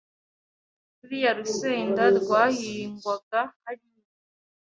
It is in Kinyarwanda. Ruriya rusenda rwahingwaga hariya